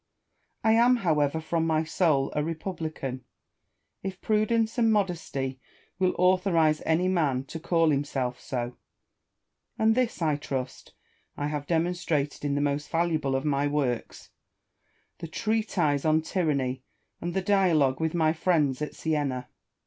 I am, however, from my soul a republican, if prudence and modesty will authorise any man to call him self so ; and this, I trust, I have demonstrated in the most valuable of my works, the Treatise on Tyranny and the Dialogue with my friends at Siena.